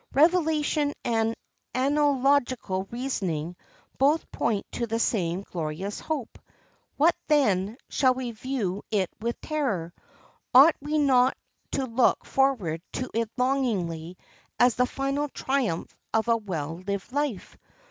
Revelation and analogical reasoning both point to the same glorious hope. What, then, shall we view it with terror? Ought we not to look forward to it longingly as the final triumph of a well lived life?